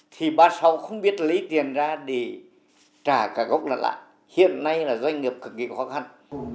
thì ba mươi sáu không biết lấy tiền ra để trả cả gốc lại hiện nay là doanh nghiệp cực kỳ khó khăn